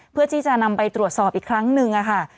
เพื่อที่จะนำไปตรวจสอบอีกครั้งหนึ่งค่ะ